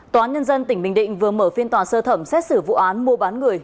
tòa án nhân dân tỉnh bình định vừa mở phiên tòa sơ thẩm xét xử vụ án mua bán người